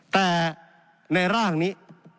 แต่ในร่างนี้